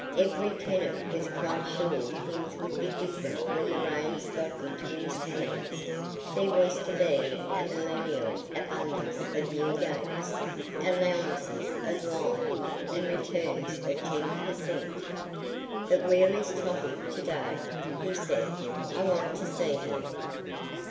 Every tenant was quite sure things would be different when the reins got into his hands—there was to be a millennial abundance of new gates, allowances of lime, and returns of ten per cent. "But where is Totty to day?" he said. "I want to see her."